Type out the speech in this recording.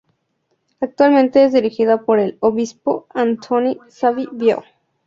Actualmente es dirigida por el obispo Antoine Sabi Bio.